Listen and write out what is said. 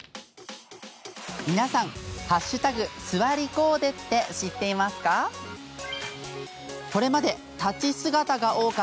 皆さん「＃すわりコーデ」って、知っていますか？